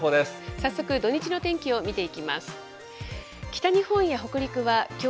早速、土日の天気を見ていきましょう。